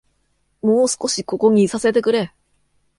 もう少しここにいさせてくれ!